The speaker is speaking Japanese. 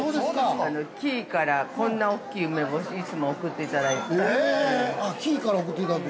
紀伊から、こんな大きい梅干しいつも送っていただいてる。